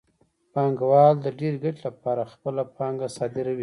پانګوال د ډېرې ګټې لپاره خپله پانګه صادروي